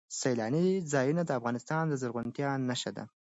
سیلانی ځایونه د افغانستان د زرغونتیا نښه ده.